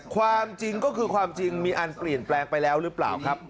ความจริงก็คือความจริงมีอันเปลี่ยนแปลงไปแล้วหรือเปล่าครับ